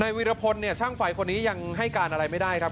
วีรพลเนี่ยช่างไฟคนนี้ยังให้การอะไรไม่ได้ครับ